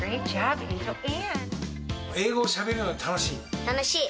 英語をしゃべるのが楽しい？